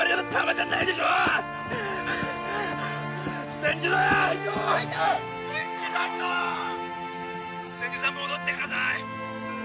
千住さん戻ってください